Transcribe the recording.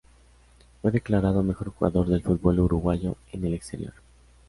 Fue declarado mejor jugador del fútbol uruguayo en el exterior.